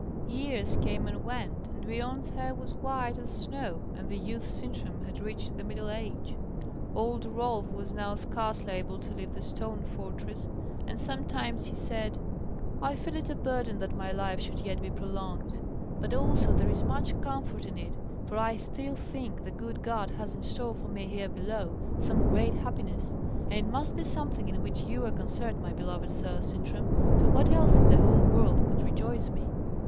Years came and went, and Biorn's hair was white as snow, and the youth Sintram had reached the middle age. Old Rolf was now scarcely able to leave the stone fortress; and sometimes he said: "I feel it a burden that my life should yet be prolonged; but also there is much comfort in it, for I still think the good God has in store for me here below some great happiness; and it must be something in which you are concerned, my beloved Sir Sintram, for what else in the whole world could rejoice me?"